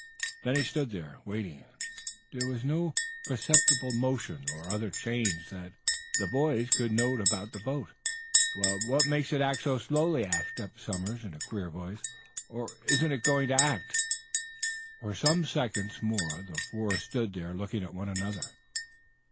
Then he stood there, waiting. There was no perceptible motion or other change that the boys could note about the boat. "Wha what makes it act so slowly?" asked Eph Somers, in a queer voice. "Or isn't it going to act?" For some seconds more the four stood there looking at one another.